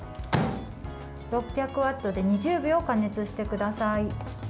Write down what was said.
６００ワットで２０秒加熱してください。